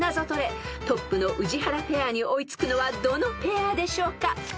［トップの宇治原ペアに追いつくのはどのペアでしょうか？］